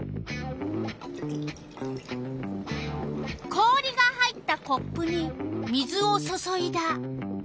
氷が入ったコップに水を注いだ。